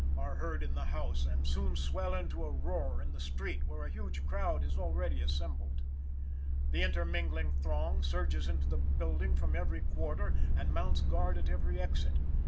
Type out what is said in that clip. are heard in the house, and soon swell into a roar in the street where a huge crowd has already assembled. The intermingling throng surges into the building from every quarter, and mounts guard at every exit.